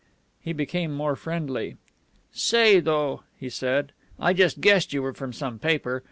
He became more friendly. "Say, though," he said, "I just guessed you were from some paper.